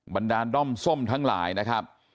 บรรดาลด้อมส้มทั้งหลายนะครับ